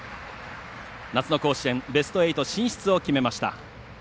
夏の甲子園ベスト８進出を決めました。